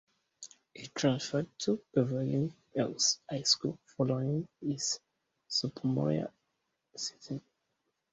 He transferred to Beverly Hills High School following his sophomore season.